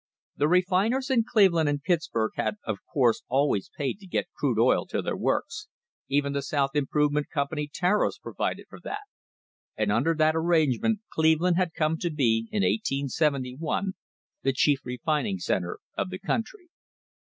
The refiners in Cleveland and Pittsburg had of course always paid to get crude oil to their works, even the South Improvement Com pany tariffs provided for that, and under that arrangement Cleveland had come to be in 1871 the chief refining centre of the country.